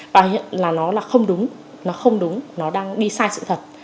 và hiện là nó là không đúng nó không đúng nó đang đi sai sự thật